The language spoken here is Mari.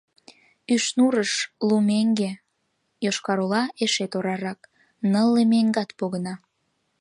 Ӱшнурыш — лу меҥге, Йошкар-Ола — эше торарак, нылле меҥгат погына.